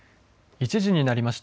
１時になりました。